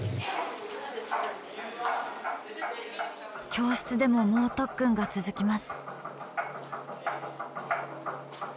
教室でも猛特訓が続きます。